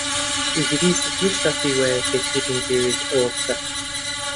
ئیدریس هێشتا پێی وایە کە شیرین دەیەوێت ئەوە بکات.